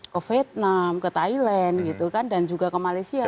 ke vietnam ke thailand gitu kan dan juga ke malaysia